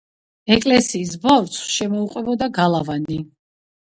ეკლესიის ბორცვს შემოუყვებოდა გალავანი.